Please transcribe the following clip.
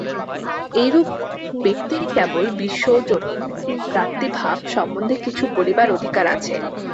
এইরূপ ব্যক্তিরই কেবল বিশ্বজনীন ভ্রাতৃভাব সম্বন্ধে কিছু বলিবার অধিকার আছে।